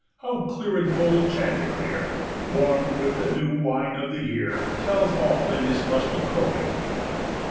how clear bold chanticleer, Warmed with the new wine of the year, Tells all in his lusty crowing!